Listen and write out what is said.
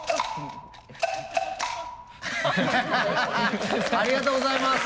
アハハありがとうございます。